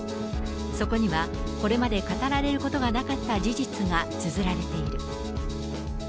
そこにはこれまで語られることがなかった事実がつづられている。